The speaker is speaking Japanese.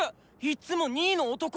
いっつも２位の男！